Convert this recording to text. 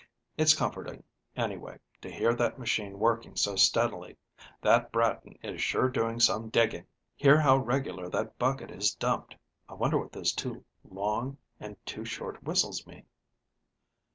It's comforting, anyway, to hear that machine working so steadily. That Bratton is sure doing some digging. Hear how regular that bucket is dumped. I wonder what those two long and two short whistles mean."